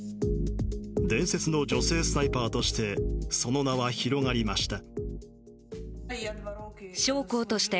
伝説の女性スナイパーとしてその名は広がりました。